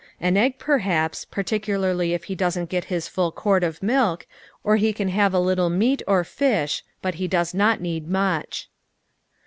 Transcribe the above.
An egg, perhaps, particularly if he doesn't get his full quart of milk, or he can have a little meat or fish, but he does not need m.uch.